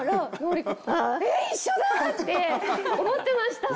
ええ一緒だ！って思ってました。